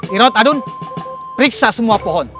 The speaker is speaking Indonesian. irot adun periksa semua pohon